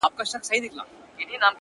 زما یې جهاني قلم د یار په نوم وهلی دی -